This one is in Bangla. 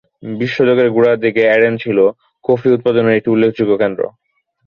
বিশ শতকের গোড়ার দিকে অ্যাডেন ছিল কফি উৎপাদনের একটি উল্লেখযোগ্য কেন্দ্র।